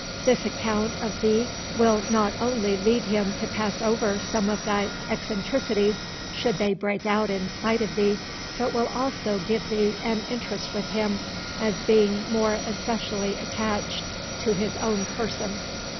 This account of thee will not only lead him to pass over some of thy eccentricities, should they break out in spite of thee, but will also give thee an interest with him as being more especially attached to his own person."